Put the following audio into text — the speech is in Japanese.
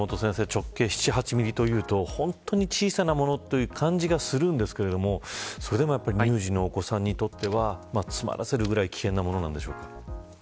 直径７、８ミリというと本当に小さなものという感じがするんですがそれでも乳児のお子さんにとっては詰まらせるくらい危険なものなんでしょうか。